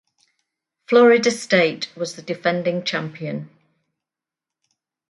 Florida State was the defending champion.